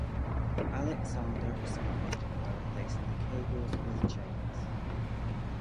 Alexander responded by replacing the cables with chains.